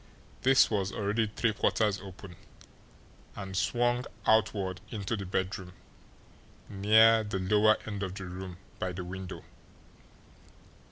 This was already three quarters open, and swung outward into the bedroom, near the lower end of the room by the window.